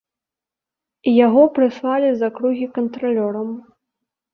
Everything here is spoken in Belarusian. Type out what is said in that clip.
Яго прыслалі з акругі кантралёрам.